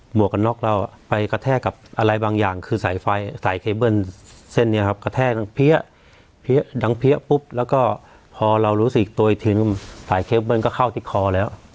วกกันน็อกเราไปกระแทกกับอะไรบางอย่างคือสายไฟสายเคเบิ้ลเส้นนี้ครับกระแทกดังเพี้ยดังเพี้ยปุ๊บแล้วก็พอเรารู้สึกตัวอีกทีนึงสายเคเบิ้ลก็เข้าที่คอแล้ว